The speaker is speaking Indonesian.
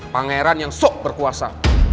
pangeran yang sok berkuasa